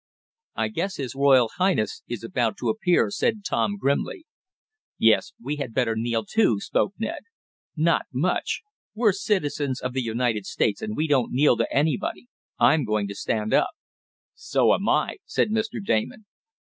"I guess His Royal Highness is about to appear," said Tom grimly. "Yes, maybe we'd better kneel, too," spoke Ned. "Not much! We're citizens of the United States, and we don't kneel to anybody. I'm going to stand up." "So am I!" said Mr. Damon.